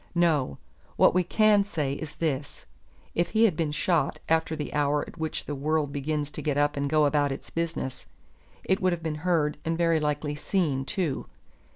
No; what we can say is this. If he had been shot after the hour at which the world begins to get up and go about its business, it would have been heard and very likely seen, too.